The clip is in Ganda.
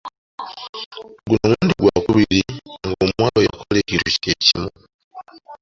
Guno mulundi gwakubiri ng'omuwala oyo akola ekintu kye kimu.